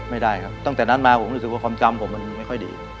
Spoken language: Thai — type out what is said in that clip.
ไม่ได้ครับตั้งแต่นั้นมาผมรู้สึกว่าความจำผมมันไม่ค่อยดี